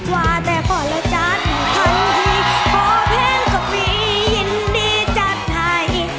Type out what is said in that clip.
ว่าแต่พ่อแล้วจัดอยู่ทั้งทีพ่อเพลงก็มียินดีจัดให้